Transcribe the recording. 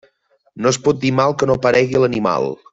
No es pot dir mal que no aparegui l'animal.